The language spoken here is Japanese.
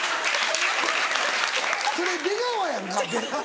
それ出川やんか。